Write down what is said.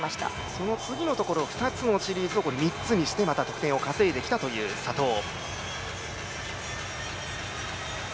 その次のところ、２つのシリーズのところを３つにしてまた得点を稼いできた左トウ。